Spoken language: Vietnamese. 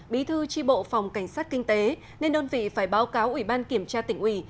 bí thư tri bộ phòng cảnh sát kinh tế nên đơn vị phải báo cáo ủy ban kiểm tra tỉnh ủy